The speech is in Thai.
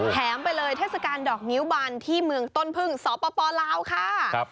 ไปเลยเทศกาลดอกนิ้วบันที่เมืองต้นพึ่งสปลาวค่ะ